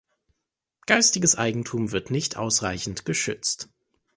Geistiges Eigentum wird nicht ausreichend geschützt.